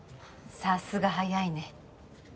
さすが早いね。